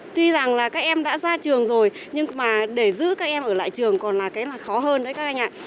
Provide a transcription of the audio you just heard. tuy rằng là các em đã ra trường rồi nhưng mà để giữ các em ở lại trường còn là cái là khó hơn với các anh ạ